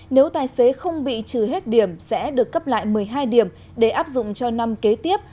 nếu tài xế không bị trừ hết điểm sẽ được cấp lại một mươi hai điểm để áp dụng cho năm kế tiếp